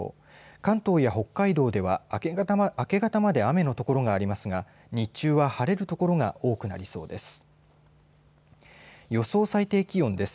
関東や北海道では明け方まで雨の所がありますが日中は晴れるところが多くなりそうです。